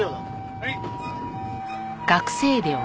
はい。